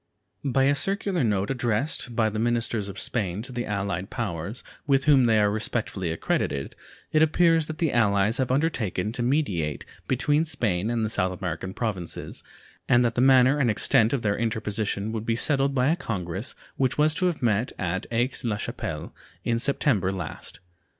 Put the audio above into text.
By a circular note addressed by the ministers of Spain to the allied powers, with whom they are respectively accredited, it appears that the allies have undertaken to mediate between Spain and the South American Provinces, and that the manner and extent of their interposition would be settled by a congress which was to have met at Aix la Chapelle in September last.